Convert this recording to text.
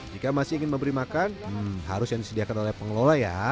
jika masih ingin memberi makan harus yang disediakan oleh pengelola ya